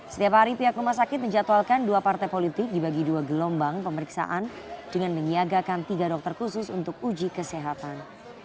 setiap hari pihak rumah sakit menjatuhkan dua partai politik dibagi dua gelombang pemeriksaan dengan menyiagakan tiga dokter khusus untuk uji kesehatan